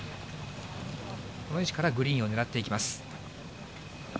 この位置からグリーンを狙っていきます。